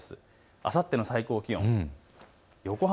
あさっての最高気温、横浜、